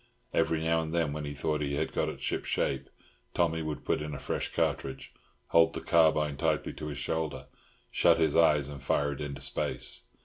Every now and then, when he thought he had got it ship shape, Tommy would put in a fresh cartridge, hold the carbine tightly to his shoulder, shut his eyes, and fire it into space.